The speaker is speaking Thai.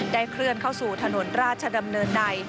เคลื่อนเข้าสู่ถนนราชดำเนินใน